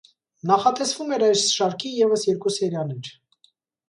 Նախատեսվում էր այս շարքի ևս երկու սերիաներ։